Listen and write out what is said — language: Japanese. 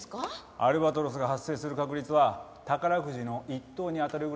アルバトロスが発生する確率は宝くじの１等に当たるぐらい低いらしいです。